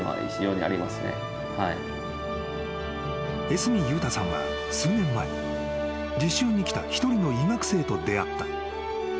［江角悠太さんは数年前実習に来た一人の医学生と出会った］